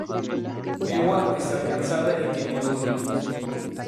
Ewa está casada y tiene dos niños.